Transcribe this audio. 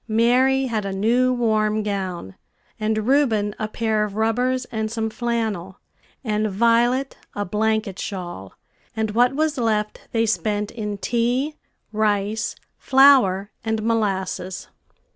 Mary had a new warm gown, and Reuben a pair of rubbers and some flannel, and Violet a blanket shawl, and what was left they spent in tea, rice, flour, and molasses.